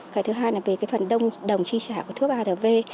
cái thứ hai là về phần đồng tri trả của thuốc arv